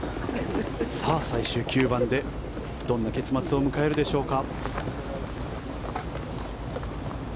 最終９番でどんな結末を迎えるでしょうか。